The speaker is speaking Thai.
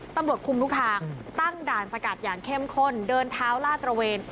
ตำรวจคุมทุกทางตั้งด่านสกัดอย่างเข้มข้นเดินเท้าลาดตระเวน